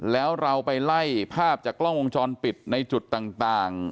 แล้วเราไปไล่ภาพจากกล้องวงจรปิดในจุดต่าง